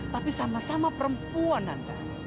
tapi sama sama perempuan anda